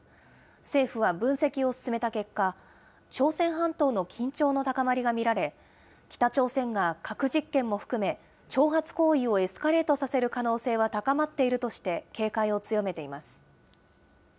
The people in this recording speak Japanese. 政府は分析を進めた結果、朝鮮半島の緊張の高まりがみられ、北朝鮮が核実験も含め、挑発行為をエスカレートさせる可能性は高まっているとして、警戒を強めています。